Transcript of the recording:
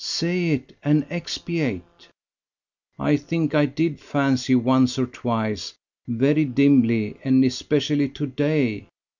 "Say it, and expiate." "I think I did fancy once or twice, very dimly, and especially to day